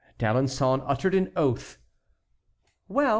D'Alençon uttered an oath. "Well!"